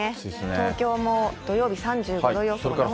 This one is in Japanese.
東京も土曜日３５度予想。